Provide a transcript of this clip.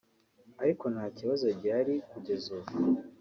ariko nta kibazo gihari kugeza ubu